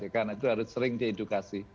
karena itu harus sering diedukasi